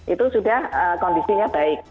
itu sudah kondisinya baik